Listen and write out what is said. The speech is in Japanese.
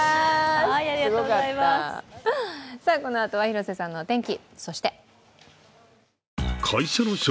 このあとは広瀬さんのお天気。